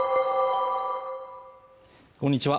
こんにちは